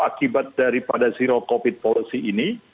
akibat daripada zero covid policy ini